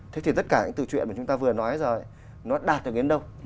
thế thì tất cả những từ chuyện mà chúng ta vừa nói rồi nó đạt được đến đâu